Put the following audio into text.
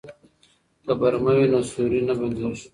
که برمه وي نو سوري نه بنديږي.